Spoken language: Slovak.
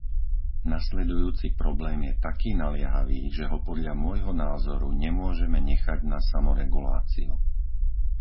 Nasledujúci problém je taký naliehavý, že ho, podľa môjho názoru, nemôžeme nechať na samoreguláciu.